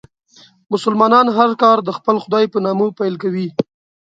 مسلمانان هر کار د خپل خدای په نامه پیل کوي.